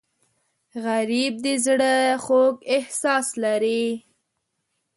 غریب د زړه خوږ احساس لري